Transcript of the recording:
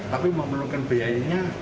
tapi memerlukan biayanya